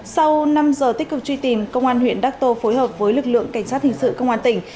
sau năm giờ tích cực truy tìm công an huyện đắc tô phối hợp với lực lượng cảnh sát hình sự công an tỉnh